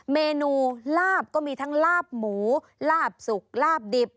เมนูลาบก็มีทั้งลาบหมูลาบสุกลาบดิบ